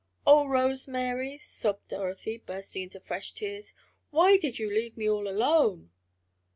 "Oh, Rose Mary," sobbed Dorothy, bursting into fresh tears, "why did you leave me all alone?"